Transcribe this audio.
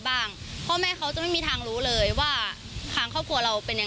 พ่อแม่เขาจะไม่มีทางรู้เลยว่าทางครอบครัวเราเป็นอย่าง